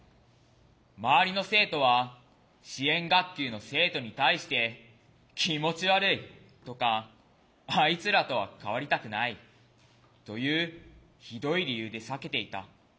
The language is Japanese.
周りの生徒は支援学級の生徒に対して「気持ち悪い」とか「あいつらとは関わりたくない」というひどい理由で避けていた。